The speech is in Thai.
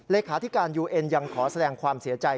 เลขาธิการยูเอ็นยังขอแสดงความเสียใจ